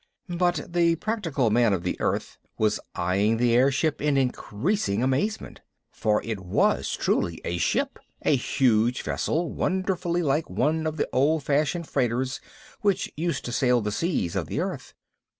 But the practical man of the earth was eying the air ship in increasing amazement. For it was truly a ship; a huge vessel wonderfully like one of the old fashioned freighters which used to sail the seas of the earth.